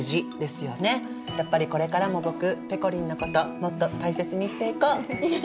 やっぱりこれからも僕ぺこりんのこともっと大切にしていこう！